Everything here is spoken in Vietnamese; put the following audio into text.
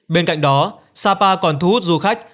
bên cạnh đó sapa còn thu hút du khách